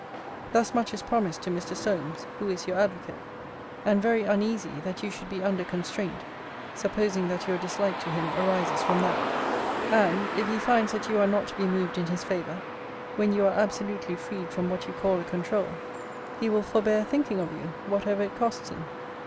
Thus much is promised to Mr. Solmes, who is your advocate, and very uneasy that you should be under constraint, supposing that your dislike to him arises from that. And, if he finds that you are not to be moved in his favour, when you are absolutely freed from what you call a controul, he will forbear thinking of you, whatever it costs him.